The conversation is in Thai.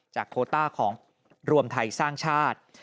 โคต้าของรวมไทยสร้างชาติ